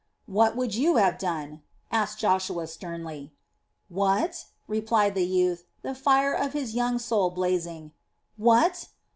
"What would you have done?" asked Joshua sternly. "What?" replied the youth, the fire of his young soul blazing. "What?